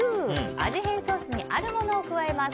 味変ソースにあるものを加えます。